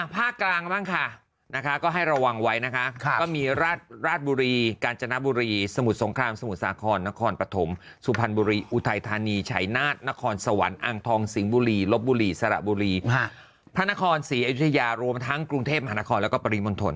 ภาคกลางบ้างค่ะนะคะก็ให้ระวังไว้นะคะก็มีราชบุรีกาญจนบุรีสมุทรสงครามสมุทรสาครนครปฐมสุพรรณบุรีอุทัยธานีชัยนาฏนครสวรรค์อ่างทองสิงห์บุรีลบบุรีสระบุรีพระนครศรีอยุธยารวมทั้งกรุงเทพมหานครแล้วก็ปริมณฑล